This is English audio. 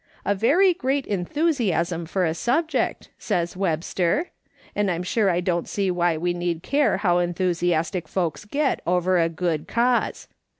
'A very great enthusiasm for a subject,' says \Yebster, and I'm sure I don't see why we need care how enthusi astic folks get over a good cause.